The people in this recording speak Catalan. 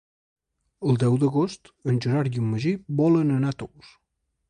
El deu d'agost en Gerard i en Magí volen anar a Tous.